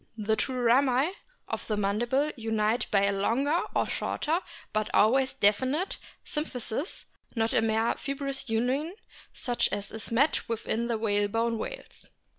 The two rami of the mandible unite by a longer or shorter, but always definite, symphysis, not a mere fibrous union such as is met with in the whalebone whales.